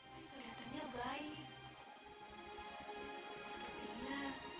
si kelihatannya baik